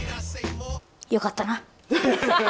よかったな。